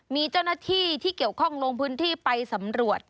มีเจ้าหน้าที่ที่เกี่ยวข้องลงพื้นที่ไปสำรวจ